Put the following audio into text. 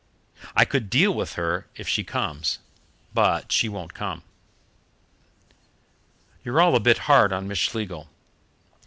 "I could deal with her, if she comes, but she won't come. You're all a bit hard on Miss Schlegel."